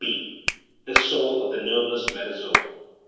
B. The soul of the nerveless metazoa.